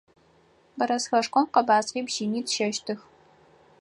Бэрэскэшхом къэбаскъи бжьыни тщэщтых.